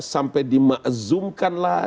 sampai dimakzumkan lah